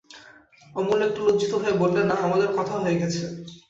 অমূল্য একটু লজ্জিত হয়ে বললে, না, আমাদের কথা হয়ে গেছে!